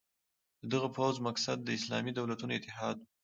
د دغه پوځ مقصد د اسلامي دولتونو اتحاد وو.